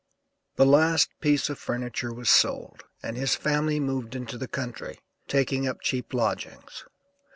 The last piece of furniture was sold, and his family moved into the country, taking up cheap lodgings.